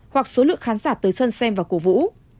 hoặc số lượng khán giả tới sân xem và cổ vũ